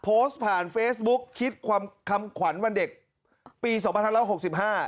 โพสต์ผ่านเฟสบุ๊กคิดคำขวัญวันเด็กปีสองพันธุ์แล้วหกสิบห้า